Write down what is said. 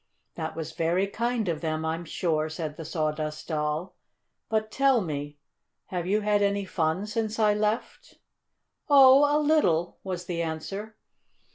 "That was very kind of them, I'm sure," said the Sawdust Doll. "But tell me have you had any fun since I left?" "Oh, a little," was the answer.